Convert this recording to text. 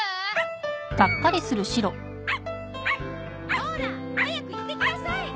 ほら早く行ってきなさい！